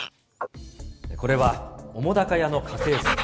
これは澤瀉屋の家系図。